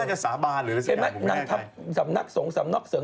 นางทับนักสงสำนใจสึง